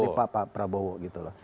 ya daripada pak prabowo gitu loh